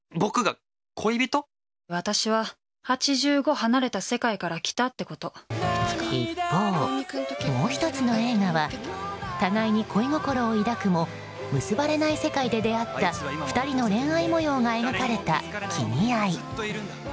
私は８５離れた世界から一方、もう１つの映画は互いに恋心を抱くも結ばれない世界で出会った２人の恋愛模様が描かれた「君愛」。